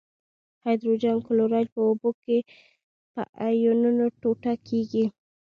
هایدروجن کلوراید په اوبو کې په آیونونو ټوټه کیږي.